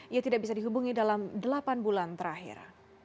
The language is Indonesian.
ia tidak bisa dihubungi dalam delapan bulan terakhir